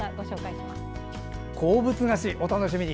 鉱物菓子、お楽しみに。